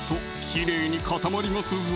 きれいに固まりますぞ